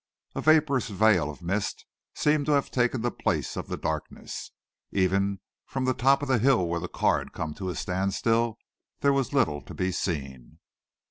A vaporous veil of mist seemed to have taken the place of the darkness. Even from the top of the hill where the car had come to a standstill, there was little to be seen.